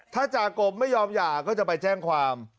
ถ้าจากมไม่ยอมหย่าก็จะไปแจ้งความ